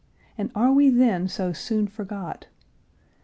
"And are we then so soon forgot?"